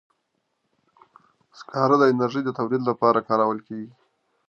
سکاره د انرژي تولید لپاره کارول کېږي.